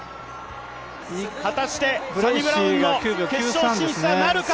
果たして、サニブラウンの決勝進出はなるか！